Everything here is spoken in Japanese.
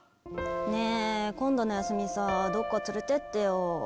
ねぇ今度の休みさどっか連れてってよ。